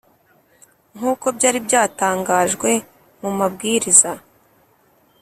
nk’uko byari byatangajwe mu mabwiriza